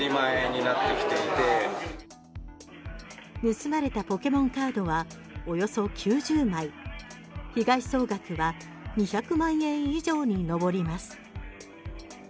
盗まれたポケモンカードはおよそ９０枚被害総額は２００万円以上に上ります。